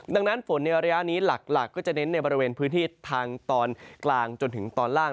ดังนั้นฝนในระยะนี้หลักก็จะเน้นในบริเวณพื้นที่ทางตอนกลางจนถึงตอนล่าง